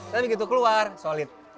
tapi begitu keluar solid